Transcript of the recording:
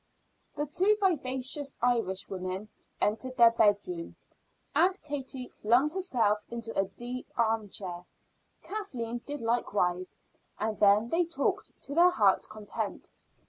The two vivacious Irishwomen entered their bedroom. Aunt Katie flung herself into a deep arm chair; Kathleen did likewise, and then they talked to their heart's content.